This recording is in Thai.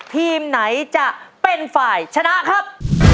ทีมไหนจะเป็นฝ่ายชนะครับ